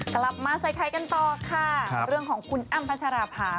กลับมาใส่ไข่กันต่อค่ะเรื่องของคุณอ้ำพัชราภา